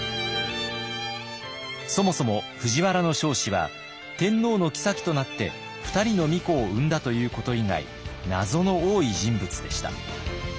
そもそも藤原彰子は天皇の后となって２人の皇子を産んだということ以外謎の多い人物でした。